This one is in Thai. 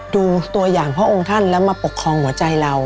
ดูตัวอย่างพระองค์ท่านแล้วมาปกครองหัวใจเรา